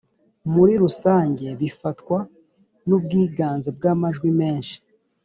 muri rusange bifatwa n’ubwiganze bw amajwi menshi.